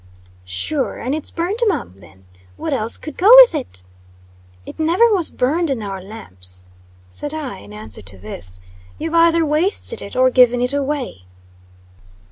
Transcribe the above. "Sure, and it's burned, mum, thin! What else could go with it?" "It never was burned in our lamps," said I, in answer to this. "You've either wasted it, or given it away."